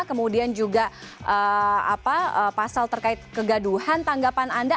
kemudian juga pasal terkait kegaduhan tanggapan anda